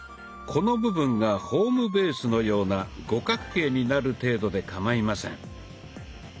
この部分がホームベースのような五角形になる程度でかまいません。